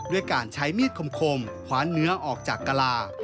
ด้วยการใช้มีดคมคว้าเนื้อออกจากกะลา